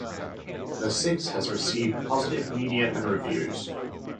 The Six has received positive media and reviews.